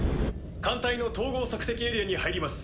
艦隊の統合索敵エリアに入ります。